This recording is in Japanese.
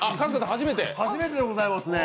初めてでございますね。